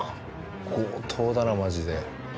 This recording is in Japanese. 強盗だなマジで。